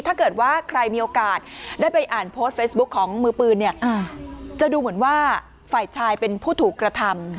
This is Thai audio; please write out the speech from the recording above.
ถ้าเกิดว่าใครมีโอกาสได้ไปอ่านโพสต์เฟซบุ๊คของมือปืนเนี่ยจะดูเหมือนว่าฝ่ายชายเป็นผู้ถูกกระทำ